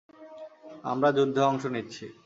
আমরা যুদ্ধে অংশ নিচ্ছি!